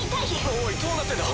おいどうなってんだ。